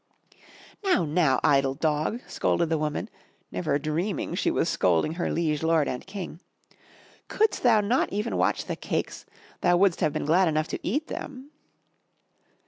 "Now, now, idle dog,'* scolded the woman, never dreaming she was scolding her liege lord and king, couldst thou not even watch the cakes? Thou wouldst have been glad enough to eat them!'